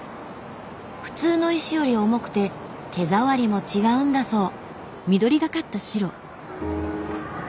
普通の石より重くて手触りも違うんだそう。